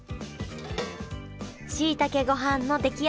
しいたけごはんの出来上がりやりました